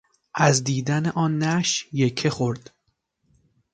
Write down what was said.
از دیدن آن نعش یکه خورد.